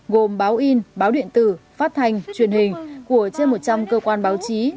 gồm báo in báo điện tử phát thanh truyền hình